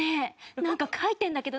なんか書いてんだけど」